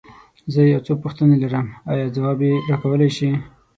زه يو څو پوښتنې لرم، ايا ځواب يې راکولی شې؟